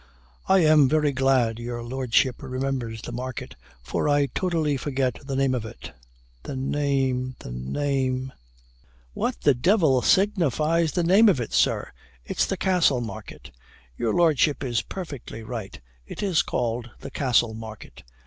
"I am very glad your Lordship remembers the market, for I totally forget the name of it the name the name " "What the devil signifies the name of it, sir? it's the Castle Market." "Your Lordship is perfectly right it is called the Castle Market.